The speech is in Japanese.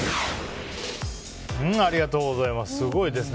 ありがとうございます！